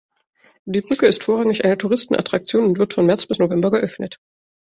Die Brücke ist vorrangig eine Touristenattraktion und wird von März bis November geöffnet.